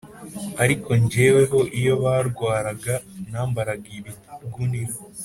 Ariko jyeweho iyo barwaraga nambaraga ibigunira